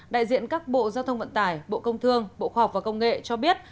đại diện các bộ giao thông vận tải bộ công thương bộ khoa học và công nghệ cho biết